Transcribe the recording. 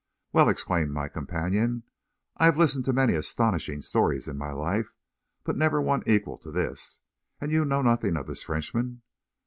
"Well!" exclaimed my companion. "I have listened to many astonishing stories in my life, but never one to equal this. And you know nothing of this Frenchman?"